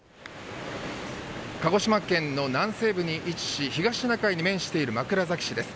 鹿児島県の南西部に位置し東シナ海に面している枕崎市です。